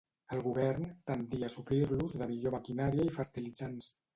El govern tendia a suplir-los de millor maquinària i fertilitzants.